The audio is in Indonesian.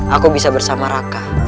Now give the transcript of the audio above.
aku bisa bersama raka